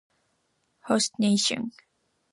Host nation